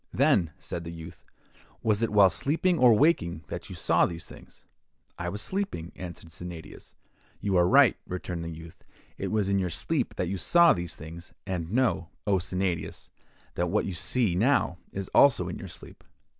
'Then,' said the youth, 'was it while sleeping or waking that you saw these things?'—'I was sleeping,' answered Sennadius. 'You are right,' returned the youth, 'it was in your sleep that you saw these things; and know, O Sennadius, that what you see now is also in your sleep.